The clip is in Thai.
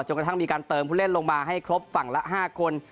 กระทั่งมีการเติมผู้เล่นลงมาให้ครบฝั่งละ๕คน